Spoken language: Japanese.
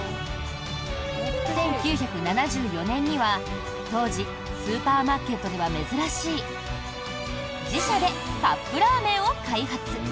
１９７４年には当時スーパーマーケットでは珍しい自社でカップラーメンを開発。